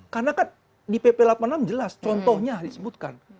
karena kan di pp delapan puluh enam jelas contohnya disebutkan